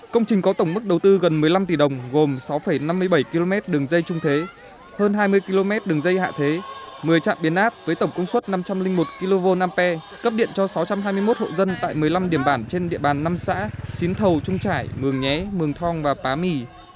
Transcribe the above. công trình có tổng mức đầu tư gần một mươi năm tỷ đồng gồm sáu năm mươi bảy km đường dây trung thế hơn hai mươi km đường dây hạ thế một mươi trạm biến áp với tổng công suất năm trăm linh một kv năm p cấp điện cho sáu trăm hai mươi một hộ dân tại một mươi năm điểm bản trên địa bàn năm xã xín thầu trung trải mường nhé mường thong và pá mì